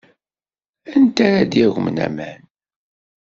Anta ara d-yagmen aman?